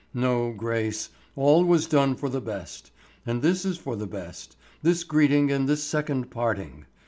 No, Grace, all was done for the best; and this is for the best, this greeting and this second parting.